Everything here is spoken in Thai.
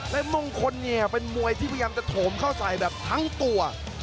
และมงคลเนี่ยเป็นมวยที่พยายามจะโถมเข้าใส่แบบทั้งตัว